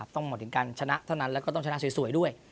ต้องหมดถึงการชนะเท่านั้นแล้วก็ต้องชนะสวยด้วย